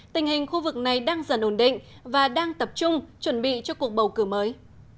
tình hình khu vực này đang dần ổn định và đang tập trung chuẩn bị cho cuộc bầu cử mới